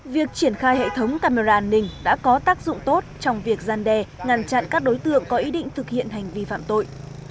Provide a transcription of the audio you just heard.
việc triển khai hệ thống camera an ninh đã có tác dụng tốt trong việc gian đe ngăn chặn các đối tượng có ý định thực hiện hành vi phạm tội